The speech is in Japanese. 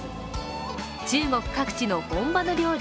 中国各地の本場の料理